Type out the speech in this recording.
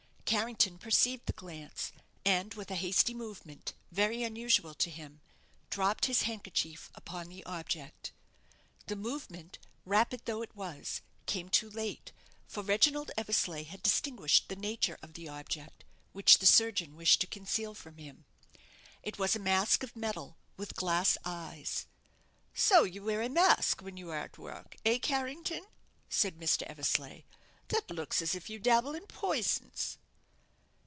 Carrington perceived the glance, and, with a hasty movement, very unusual to him, dropped his handkerchief upon the object. The movement, rapid though it was, came too late, for Reginald Eversleigh had distinguished the nature of the object which the surgeon wished to conceal from him. It was a mask of metal, with glass eyes. "So you wear a mask when you are at work, eh, Carrington?" said Mr. Eversleigh. "That looks as if you dabble in poisons."